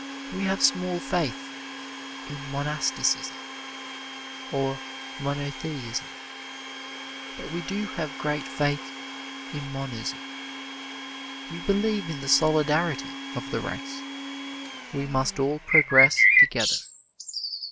We have small faith in monasticism or monotheism, but we do have great faith in monism. We believe in the Solidarity of the Race. We must all progress together.